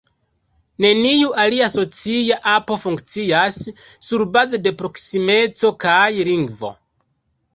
Neniu alia socia apo funkcias surbaze de proksimeco kaj lingvo.